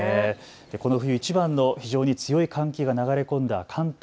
この冬いちばんの非常に強い寒気が流れ込んだ関東